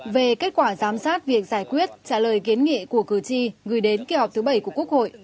về kết quả giám sát việc giải quyết trả lời kiến nghị của cử tri gửi đến kỳ họp thứ bảy của quốc hội